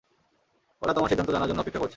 ওরা তোমার সিদ্ধান্ত জানার জন্য অপেক্ষা করছে।